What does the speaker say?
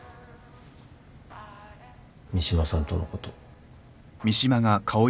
三島さんとのこと。